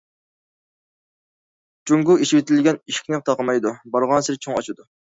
جۇڭگو ئېچىۋېتىلگەن ئىشىكنى تاقىمايدۇ، بارغانسېرى چوڭ ئاچىدۇ.